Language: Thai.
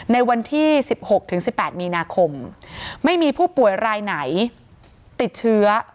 ในวันที่๑๖๑๘มีนาคมไม่มีผู้ป่วยรายไหนติดเชื้อ